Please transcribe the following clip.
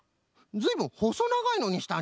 ずいぶんほそながいのにしたんじゃね。